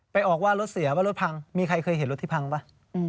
ออกว่ารถเสียว่ารถพังมีใครเคยเห็นรถที่พังป่ะ